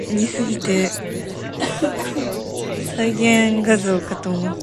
He studied church music in Berlin and harpsichord with Hugo Ruf in Cologne.